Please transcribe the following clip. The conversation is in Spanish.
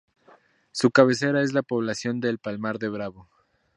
Su cabecera es la población de Palmar de Bravo.